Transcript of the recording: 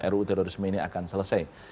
ruu terorisme ini akan selesai